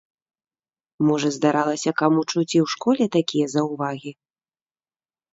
Можа здаралася каму чуць і ў школе такія заўвагі?